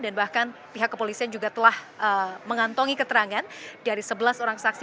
bahkan pihak kepolisian juga telah mengantongi keterangan dari sebelas orang saksi